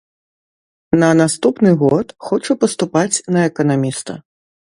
На наступны год хоча паступаць на эканаміста.